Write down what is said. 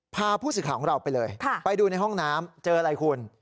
พาผู้สื่อข่าวของเราไปเลยไปดูในห้องน้ำเจออะไรคุณ